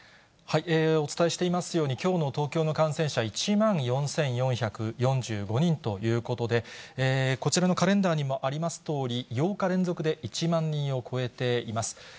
お伝えしていますように、きょうの東京の感染者、１万４４４５人ということで、こちらのカレンダーにもありますとおり、８日連続で１万人を超えています。